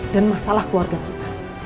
dan masalah keluarga kita